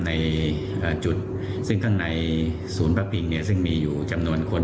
ในจุดซึ่งข้างในศูนย์พระพิงซึ่งมีอยู่จำนวนคน